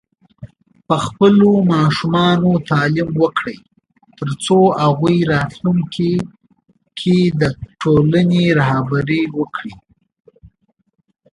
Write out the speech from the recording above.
په خپلو ماشومانو تعليم وکړئ، ترڅو هغوی راتلونکي کې د ټولنې رهبري وکړي.